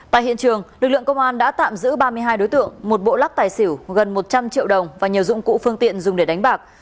tại hiện trường lực lượng công an đã tạm giữ ba mươi hai đối tượng một bộ lắc tài xỉu gần một trăm linh triệu đồng và nhiều dụng cụ phương tiện dùng để đánh bạc